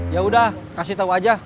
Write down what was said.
yaudah kasih tahu aja